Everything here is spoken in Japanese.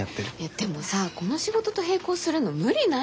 でもさこの仕事と並行するの無理ない？